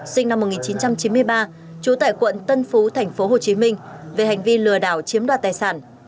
sinh năm một nghìn chín trăm chín mươi ba trú tại quận tân phú tp hcm về hành vi lừa đảo chiếm đoạt tài sản